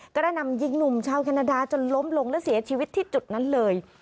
กระหน่ำยิงหนุ่มชาวแคนาดาจนล้มลงและเสียชีวิตที่จุดนั้นเลย